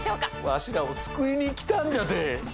わしらを救いに来たんじゃって。